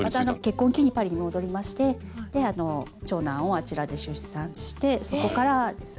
結婚を機にパリに戻りまして長男をあちらで出産してそこからですね。